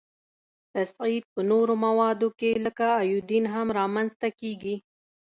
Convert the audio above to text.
تصعید په نورو موادو کې لکه ایودین هم را منځ ته کیږي.